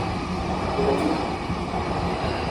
Filipino